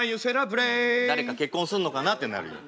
誰か結婚すんのかなってなるよ。